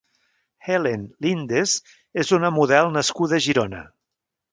Helen Lindes és una model nascuda a Girona.